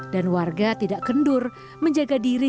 dan warga tidak kendur menjaga diri